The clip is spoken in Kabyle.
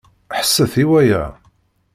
Ḥesset i waya!